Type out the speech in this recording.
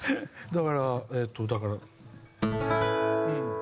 だからえっとだから。